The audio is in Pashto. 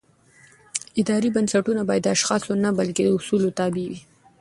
اداري بنسټونه باید د اشخاصو نه بلکې د اصولو تابع وي